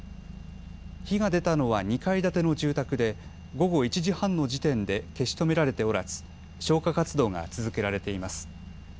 火が出たのは２階建ての住宅で午後１時半の時点で消し止められておらず消火活動が続けられています。